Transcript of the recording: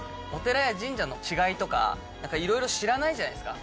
実際皆さん、お寺や神社の違いとか、なんか、いろいろ知らないじゃないですか。